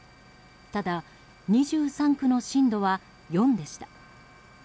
ただ、２３区の震度は４でした。